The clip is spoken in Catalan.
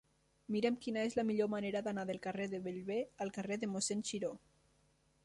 Mira'm quina és la millor manera d'anar del carrer de Bellver al carrer de Mossèn Xiró.